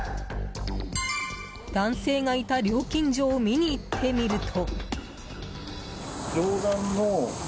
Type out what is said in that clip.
男性がいた料金所を見にいってみると。